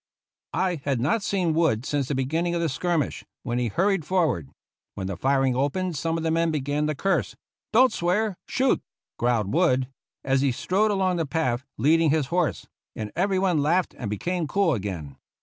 I had not seen Wood since the beginning of 94 GENERAL YOUNG'S FIGHT the skirmish, when he hurried forward. When the firing opened some of the men began to curse. "Don't swear — shoot!" growled Wood, as he strode along the path leading his horse, and every one laughed and became cool again.